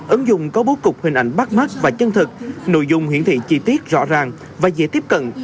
ứng dụng có bố cục hình ảnh bắt mắt và chân thực nội dung hiển thị chi tiết rõ ràng và dễ tiếp cận